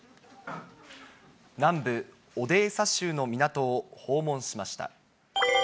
南部オデーサ州の港を訪問しました。